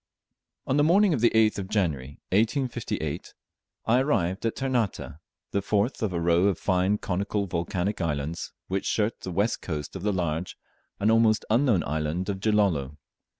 ON the morning of the 8th of January, 1858, I arrived at Ternate, the fourth of a row of fine conical volcanic islands which shirt the west coast of the large and almost unknown island of Gilolo.